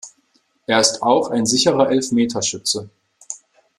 Er ist auch ein sicherer Elfmeterschütze.